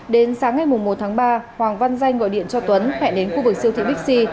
đến sáng ngày một tháng ba hoàng văn danh gọi điện cho tuấn hẹn đến khu vực siêu thị bixi